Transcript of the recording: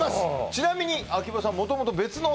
ちなみに秋葉さん